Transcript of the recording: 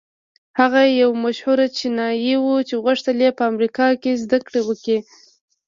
هغه يو مشهور چينايي و چې غوښتل يې په امريکا کې زدهکړې وکړي.